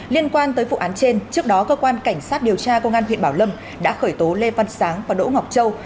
liên quan tới vụ án trên trước đó cơ quan cảnh sát điều tra công an huyện bảo lâm đã khởi tố lê văn sáng và đỗ ngọc châu